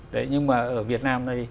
đấy nhưng mà ở việt nam đấy